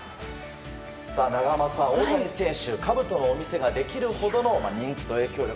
長濱さん、大谷選手かぶとのお店ができるほどの人気と影響力。